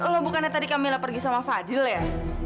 lu bukannya tadi kamila pergi sama fadil ya